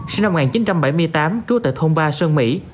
sinh năm một nghìn chín trăm bảy mươi tám trú tại thôn ba sơn mỹ